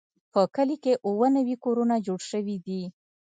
په کلي کې اووه نوي کورونه جوړ شوي دي.